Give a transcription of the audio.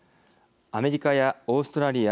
アメリカやオーストラリア